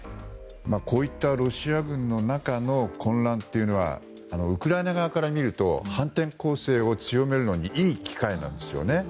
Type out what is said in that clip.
こういったロシア軍の中の混乱というのはウクライナ側から見ると反転攻勢を強めるのにいい機会なんですよね。